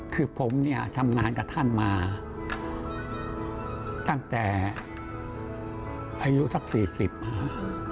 คือผมเนี่ยทำงานกับท่านมาตั้งแต่อายุสัก๔๐นะครับ